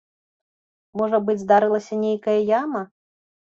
Можа быць, здарылася нейкая яма?